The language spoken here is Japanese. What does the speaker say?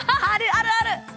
あるある！